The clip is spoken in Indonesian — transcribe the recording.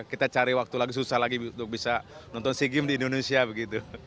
kita cari waktu lagi susah lagi untuk bisa nonton sea games di indonesia begitu